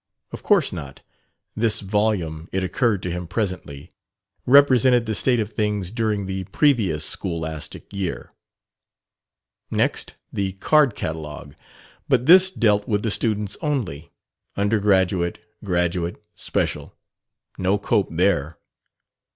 Of course not; this volume, it occurred to him presently, represented the state of things during the previous scholastic year. Next the card catalogue. But this dealt with the students only undergraduate, graduate, special. No Cope there.